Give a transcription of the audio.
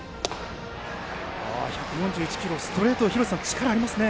１４１キロ、ストレート廣瀬さん、力ありますね。